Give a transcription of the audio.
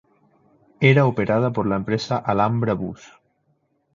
Era operada por la empresa Alhambra Bus.